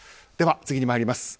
では、次に参ります。